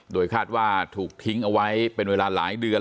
โดยคาดว่าถูกทิ้งเอาไว้เป็นเวลาหลายเดือน